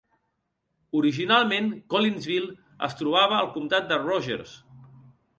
Originalment, Collinsville es trobava al comtat de Rogers.